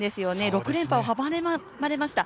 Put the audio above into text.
６連覇を阻まれました。